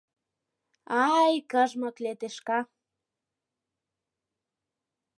Ай, кыжмык, летешка!..